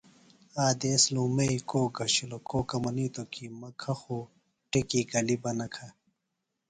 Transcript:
آ دیس لُومئی کوک گھشِلوۡ۔ کوکہ منیتوۡ کی مہ کھہ خو ٹیۡکی گلیۡ بہ نہ کھہ۔